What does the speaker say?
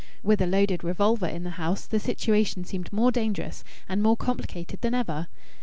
With a loaded revolver in the house the situation seemed more dangerous and more complicated than ever.